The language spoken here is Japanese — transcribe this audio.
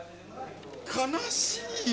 悲しいよ。